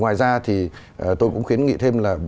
ngoài ra thì tôi cũng khuyến nghị thêm là